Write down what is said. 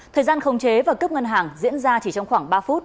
thời gian khống chế và cướp ngân hàng diễn ra chỉ trong khoảng ba phút